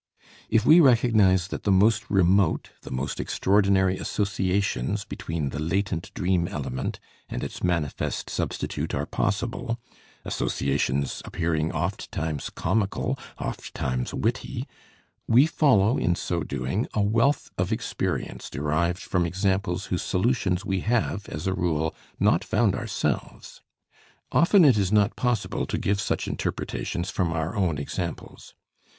If we recognize that the most remote, the most extraordinary associations between the latent dream element and its manifest substitute are possible, associations appearing ofttimes comical, ofttimes witty, we follow in so doing a wealth of experience derived from examples whose solutions we have, as a rule, not found ourselves. Often it is not possible to give such interpretations from our own examples.